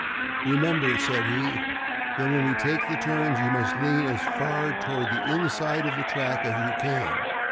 "Remember," said he, "that when we take the turns you must lean as far toward the inside of the track as you can.